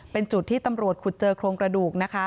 เป็นจุดที่ตำรวจขุดเจอโครงกระดูกนะคะ